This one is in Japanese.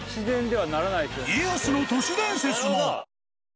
家康の都市伝説も。